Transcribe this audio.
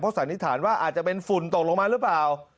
สันนิษฐานว่าอาจจะเป็นฝุ่นตกลงมาหรือเปล่า